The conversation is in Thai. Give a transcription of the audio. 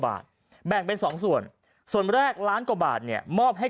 บาทแบ่งเป็น๒ส่วนส่วนแรกล้านกว่าบาทเนี่ยมอบให้